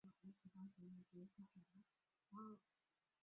他出生在纽约市布鲁克林区的一个穆斯林非洲裔美国人的家庭里。